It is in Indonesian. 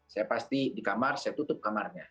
saya pasti di kamar saya tutup kamarnya